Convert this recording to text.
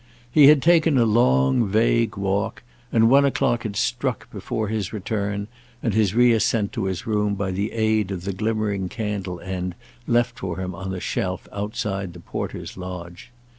He had taken a long vague walk, and one o'clock had struck before his return and his re ascent to his room by the aid of the glimmering candle end left for him on the shelf outside the porter's lodge.